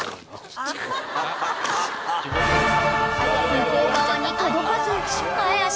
［向こう側に届かず］